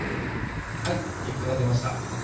はい結果が出ました。